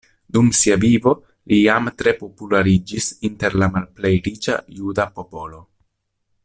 Dum sia vivo li jam tre populariĝis inter la malplej riĉa juda popolo.